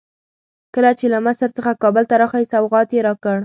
کله چې له مصر څخه کابل ته راغی سوغات یې راکړ.